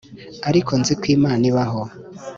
ariko nzi ko imana ibaho,